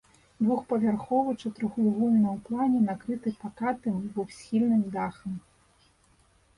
Двухпавярховы, чатырохвугольны ў плане, накрыты пакатым двухсхільным дахам.